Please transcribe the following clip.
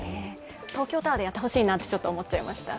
東京タワーでやってほしいなとちょっと思ってしまいました。